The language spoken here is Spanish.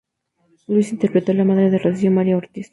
Luisa interpretó a la madre de Rocío, María Ortiz.